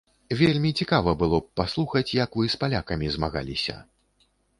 Вельмі цікава было б паслухаць, як вы з палякамі змагаліся.